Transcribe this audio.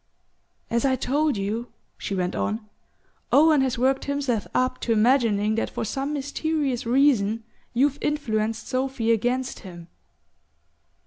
"As I told you," she went on, "Owen has worked himself up to imagining that for some mysterious reason you've influenced Sophy against him."